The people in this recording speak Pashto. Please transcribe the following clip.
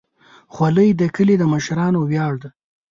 خولۍ د کلي د مشرانو ویاړ ده.